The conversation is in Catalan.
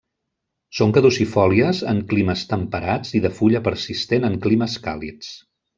Són caducifòlies en climes temperats i de fulla persistent en climes càlids.